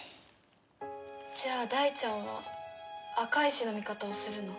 じゃあ大ちゃんは赤石の味方をするの？